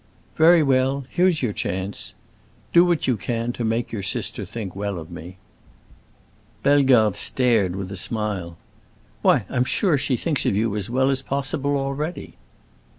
"Very well; here's your chance. Do what you can to make your sister think well of me." Bellegarde stared, with a smile. "Why, I'm sure she thinks as well of you as possible, already."